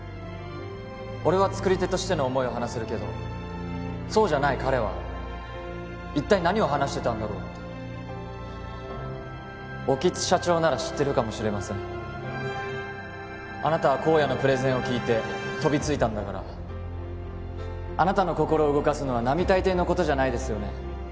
俺は作り手としての思いを話せるけどそうじゃない彼は一体何を話してたんだろうって興津社長なら知ってるかもしれませんあなたは公哉のプレゼンを聞いて飛びついたんだからあなたの心を動かすのは並大抵のことじゃないですよね